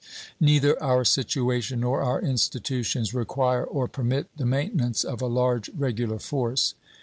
Neither our situation nor our institutions require or permit the maintenance of a large regular force.